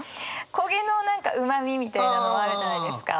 焦げの何かうまみみたいなのあるじゃないですか。